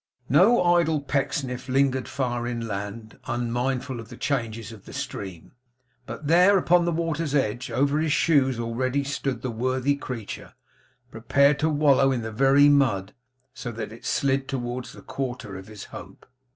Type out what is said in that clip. No idle Pecksniff lingered far inland, unmindful of the changes of the stream; but there, upon the water's edge, over his shoes already, stood the worthy creature, prepared to wallow in the very mud, so that it slid towards the quarter of his hope.